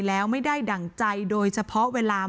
แล้วไม่ได้ดั่งใจโดยเฉพาะเวลา